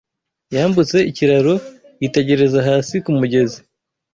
Yambutse ikiraro, yitegereza hasi kumugezi.